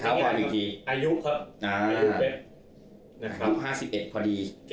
อายุครับ๕๑พอดี